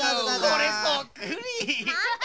これそっくり。